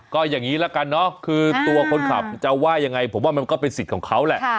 ก็อย่างนี้ละกันเนอะคือตัวคนขับจะว่ายังไงผมว่ามันก็เป็นสิทธิ์ของเขาแหละ